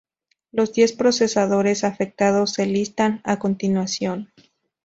Los diez procesadores afectados se listan a continuación.